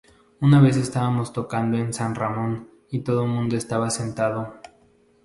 Una vez estábamos tocando en San Ramón y todo mundo estaba sentado.